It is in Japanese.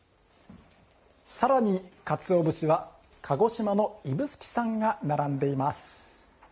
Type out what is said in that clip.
さらに、かつお節は鹿児島の指宿産が並んでいます。